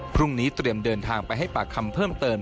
พรุ่งนี้เตรียมเดินทางไปให้ปากคำเพิ่มเติม